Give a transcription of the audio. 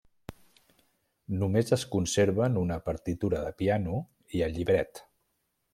Només es conserven una partitura de piano i el llibret.